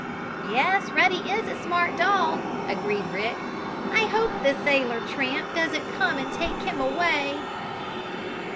"] "Yes, Ruddy is a smart dog," agreed Rick. "I hope the sailor tramp doesn't come and take him away!"